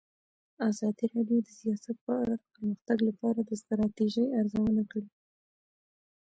ازادي راډیو د سیاست په اړه د پرمختګ لپاره د ستراتیژۍ ارزونه کړې.